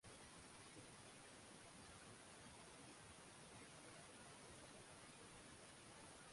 wa kwanza wa kiume walifariki wakiwa wachanga Alipewa jina la Lazarus sawa na mtu